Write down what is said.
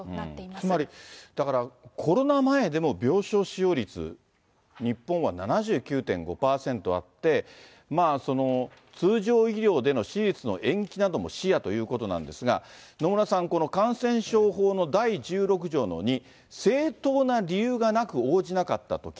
つまり、だから、コロナ前でも病床使用率、日本は７９．５％あって、通常医療での手術の延期なども視野ということなんですが、野村さん、この感染症法の第１６条の２、正当な理由がなく応じなかったとき。